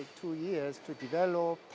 membutuhkan dua tahun untuk membuat